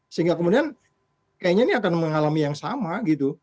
sehingga kemudian kayaknya ini akan mengalami yang sama gitu